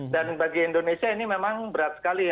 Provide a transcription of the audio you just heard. dan bagi indonesia ini memang berat sekali ya